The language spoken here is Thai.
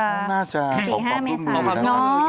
๔๕ไม่ให้๓น้อง